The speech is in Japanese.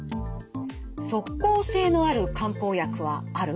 「即効性のある漢方薬はある？」。